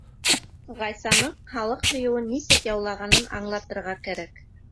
Ғайсаның халыҡ һөйөүен нисек яулағанын аңлатырға кәрәк.